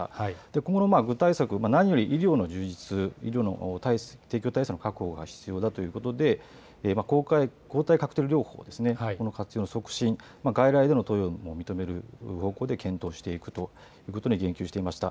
今後の具体策、何より医療の充実、医療の提供体制の確保が必要だということで、抗体カクテル療法ですね、この活用の促進、外来での投与を認める方向で検討していくということに言及していました。